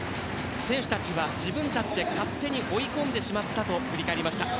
選手たちは自分たちで勝手に追い込んでしまったと振り返りました。